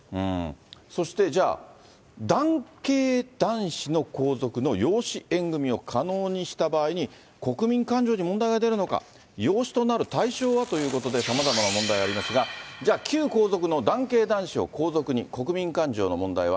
そして、じゃあ、男系男子の皇族の養子縁組を可能にした場合に、国民感情に問題が出るのか、養子となる対象は？ということでさまざまな問題がありますが、じゃあ、旧皇族の男系男子を皇族に、国民感情の問題は？